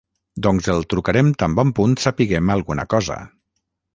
Doncs el trucarem tan bon punt sapiguem alguna cosa.